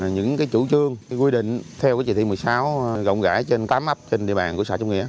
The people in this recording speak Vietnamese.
những chủ trương quy định theo chỉ thị một mươi sáu rộng rãi trên tám ấp trên địa bàn của xã trung nghĩa